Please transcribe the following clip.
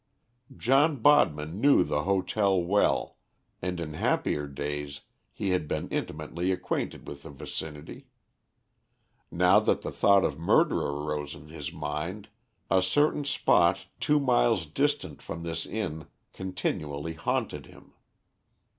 John Bodman knew the hotel well, and in happier days he had been intimately acquainted with the vicinity. Now that the thought of murder arose in his mind, a certain spot two miles distant from this inn continually haunted him.